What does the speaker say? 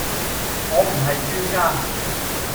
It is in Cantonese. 我唔係專家